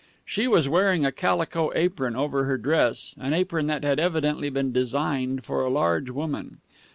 She was wearing a calico apron over her dress, an apron that had evidently been designed for a large woman.